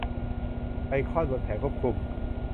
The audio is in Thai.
ไอคอนบนแผงควบคุม